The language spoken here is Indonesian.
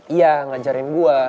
iya ngajarin gue